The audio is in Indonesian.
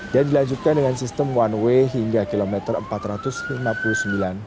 dan dilanjutkan dengan sistem one way hingga kilometer empat ratus lima puluh sembilan semarang